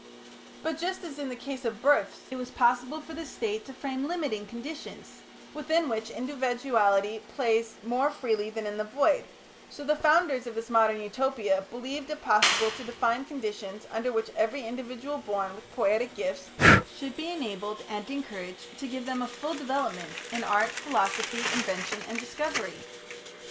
But just as in the case of births it was possible for the State to frame limiting conditions within which individuality plays more freely than in the void, so the founders of this modern Utopia believed it possible to define conditions under which every individual born with poietic gifts should be enabled and encouraged to give them a full development, in art, philosophy, invention, or discovery.